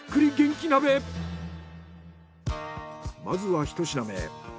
まずはひと品目。